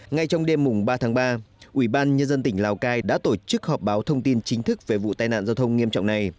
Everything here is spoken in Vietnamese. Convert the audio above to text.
ngay trong đêm ba tháng ba ubnd tỉnh lào cai đã tổ chức họp báo thông tin chính thức về vụ tai nạn giao thông nghiêm trọng này